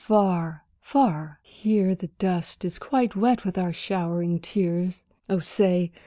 Far, far, here the dust is quite wet with our showering tears, Oh, say!